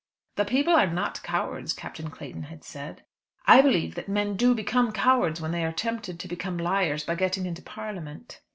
"The people are not cowards," Captain Clayton had said. "I believe that men do become cowards when they are tempted to become liars by getting into Parliament.